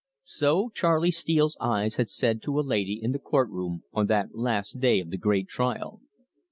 So Charley Steele's eyes had said to a lady in the court room on that last day of the great trial.